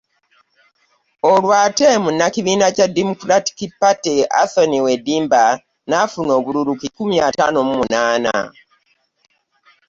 Olwo ate Munnakibiina kya Democratic Party Anthony Wadimba n'afuna obululu kikumi ataano mu munaana